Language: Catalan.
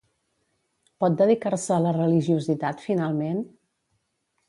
Pot dedicar-se a la religiositat, finalment?